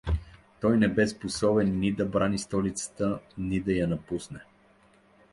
Той не бе способен ни да брани столицата, ни да я напусне.